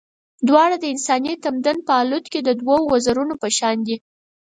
دواړه د انساني تمدن په الوت کې د دوو وزرونو په شان دي.